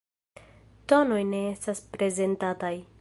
Tonoj ne estas prezentataj.